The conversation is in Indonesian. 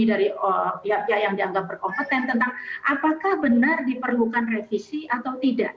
dari pihak pihak yang dianggap berkompeten tentang apakah benar diperlukan revisi atau tidak